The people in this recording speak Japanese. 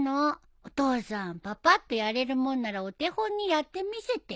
お父さんパパッとやれるもんならお手本にやってみせてよ。